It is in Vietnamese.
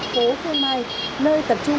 phố phương mai nơi tập trung